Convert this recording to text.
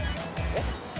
えっ？